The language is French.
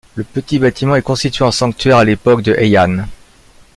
Le petit bâtiment est constitué en sanctuaire à l'époque de Heian.